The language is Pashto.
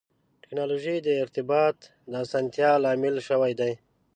ټکنالوجي د ارتباط د اسانتیا لامل شوې ده.